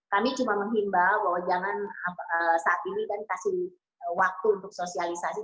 kami cuma menghimbau bahwa jangan saat ini kan kasih waktu untuk sosialisasi